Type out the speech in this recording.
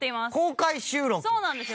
そうなんですよ。